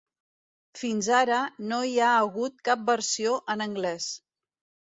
Fins ara, no hi ha hagut cap versió en anglès.